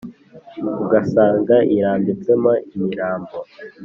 ugasanga irambitse mo imirambo